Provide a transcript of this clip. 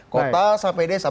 kota sampai desa